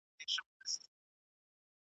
تخنیکي مهارتونه په تجربه ترلاسه کیږي.